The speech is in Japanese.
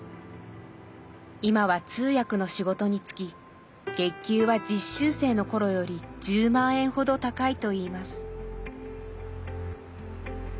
今は通訳の仕事に就き月給は実習生の頃より１０万円ほど高いといいます。